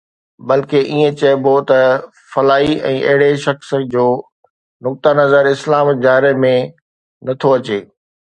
بلڪه ائين چئبو ته فلاڻي ۽ اهڙي شخص جو نقطه نظر اسلام جي دائري ۾ نٿو اچي